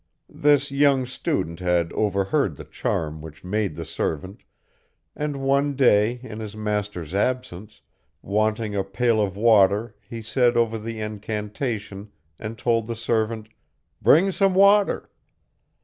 This young student had overheard the charm which made the servant, and one day in his master's absence, wanting a pail of water he said over the incantation and told the servant "Bring some water."